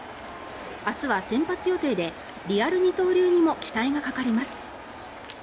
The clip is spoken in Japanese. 明日は先発予定でリアル二刀流にも期待がかかります。